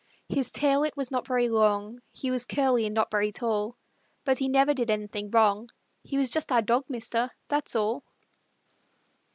His tail it was not very long, He was curly and not very tall; But he never did anything wrong He was just our dog, mister that's all.